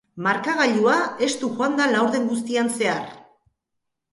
Markagailua estu joan da laurden guztian zehar.